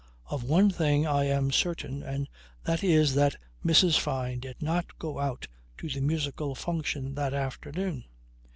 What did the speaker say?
Of one thing I am certain, and that is that Mrs. Fyne did not go out to the musical function that afternoon.